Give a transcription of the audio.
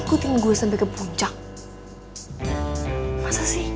gue kunci pintunya